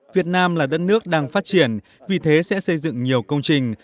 việt nam là đất nước đang phát triển vì thế sẽ xây dựng nhiều công trình